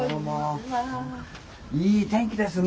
いい天気ですね。